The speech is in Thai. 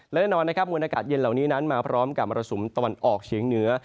และแน่นอนนะครับมวลอากาศเย็นเหล่านี้นั้นมาพร้อมกับมรสุมตะวันออกเฉียงเหนือ